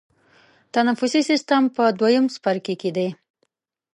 تنفسي سیستم په دویم څپرکي کې دی.